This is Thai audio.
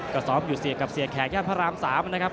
ก็ซ้อมอยู่เสียบกับเสียแขกย่านพระราม๓นะครับ